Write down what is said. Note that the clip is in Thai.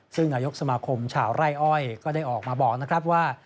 ซึ่งนายกสมาคมชาวไร่อ้อยก็ได้ออกมาบอกนะครับว่า